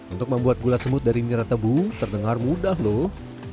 untuk membuat gula semut dari nira tebu terdengar mudah loh